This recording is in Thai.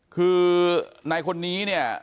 คือนายคนนี้เนี่ย